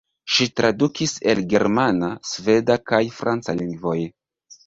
Ŝi tradukis el germana, sveda kaj franca lingvoj.